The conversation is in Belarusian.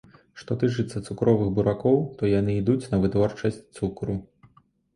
Што тычацца цукровых буракоў, то яны ідуць на вытворчасць цукру.